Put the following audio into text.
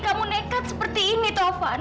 kamu nekat seperti ini taufan